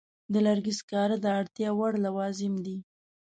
د لرګي سکاره د اړتیا وړ لوازم دي.